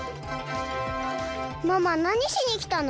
ママなにしにきたの？